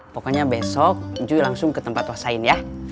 pokoknya besok cuy langsung ke tempat wasain ya